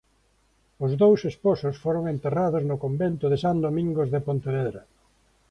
Os dous esposos foron enterrados no convento de San Domingos de Pontevedra.